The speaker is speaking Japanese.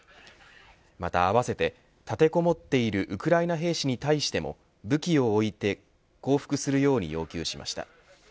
またあわせて立てこもっているウクライナ兵士に対しても武器を置いて降伏するように要求しました。